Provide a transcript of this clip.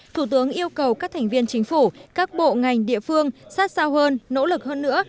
thủ tướng yêu cầu các thành viên chính phủ các bộ ngành địa phương sát sao hơn nỗ lực hơn nữa